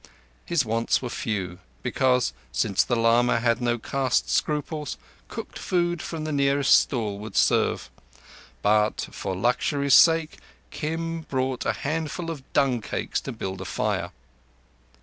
His wants were few, because, since the lama had no caste scruples, cooked food from the nearest stall would serve; but, for luxury's sake, Kim bought a handful of dung cakes to build a fire.